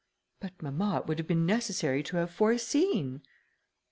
"But, mamma, it would have been necessary to have foreseen."